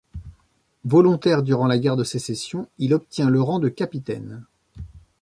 Volontaire durant la Guerre de Sécession, il obtient le rang de capitaine.